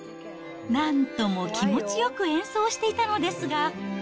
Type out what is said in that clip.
なんとも気持ちよく演奏していたのですが。